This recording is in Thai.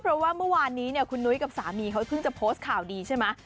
เพราะว่าเมื่อวานนี้เนี่ยคุณนุ้ยกับสามีเขาเพิ่งจะโพสต์ข่าวดีใช่ไหม